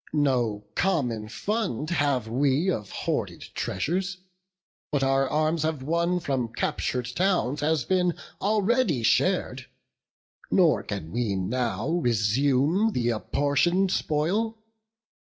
no common fund have we Of hoarded treasures; what our arms have won From captur'd towns, has been already shar'd, Nor can we now resume th' apportion'd spoil.